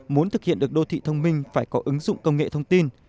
muốn thực hiện được đô thị thông minh phải có ứng dụng công nghệ thông tin